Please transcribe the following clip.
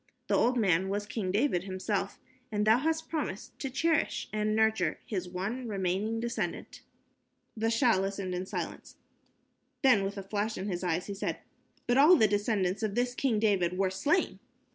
The old man was King David himself, and thou hast promised to cherish and nurture his one remaining descendant." The Shah listened in silence. Then, with a flash in his eye he said, "But all the descendants of this King David were slain."